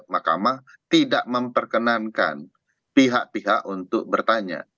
makamah tidak memperkenankan pihak pihak untuk bertanya